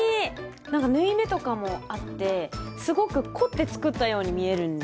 なんか縫い目とかもあってすごく凝って作ったように見えるんですよ。